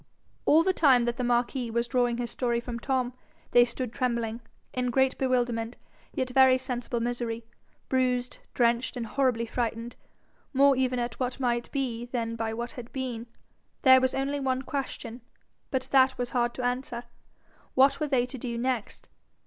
All the time that the marquis was drawing his story from Tom, they stood trembling, in great bewilderment yet very sensible misery, bruised, drenched, and horribly frightened, more even at what might be than by what had been. There was only one question, but that was hard to answer: what were they to do next?